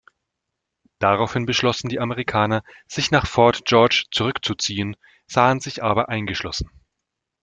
Daraufhin beschlossen die Amerikaner, sich nach "Fort George" zurückzuziehen, sahen sich aber eingeschlossen.